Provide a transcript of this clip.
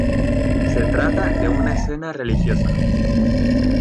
Se trata de una escena religiosa.